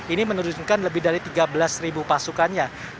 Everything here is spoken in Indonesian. ini menurunkan lebih dari tiga belas pasukannya